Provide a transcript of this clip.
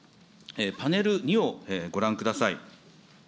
パネル２をご覧ください。